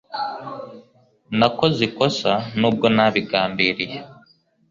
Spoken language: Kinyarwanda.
Nakoze ikosa, nubwo ntabigambiriye.